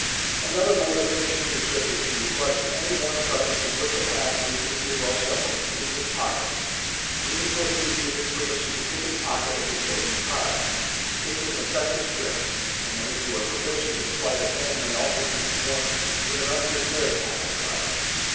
Another mode of finishing the trick is to request any one present to put the pack (previously well shuffled) in his pocket, when you proceed, with his permission, to pick his pocket of the chosen card* This is an effective trick, and, if you are proficient in sleight of hand may be also performed with an unprepared pack of cards.